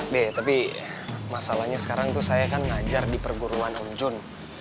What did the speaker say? be tapi masalahnya sekarang tuh saya kan ngajar di perguruan om jun